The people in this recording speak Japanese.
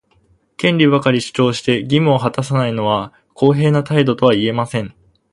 権利ばかり主張して、義務を果たさないのは公平な態度とは言えません。